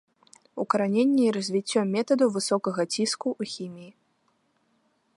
Укараненне і развіццё метадаў высокага ціску ў хіміі.